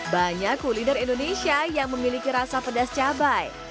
banyak kuliner indonesia yang memiliki rasa pedas cabai